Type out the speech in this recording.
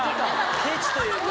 ケチというか。